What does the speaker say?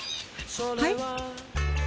はい？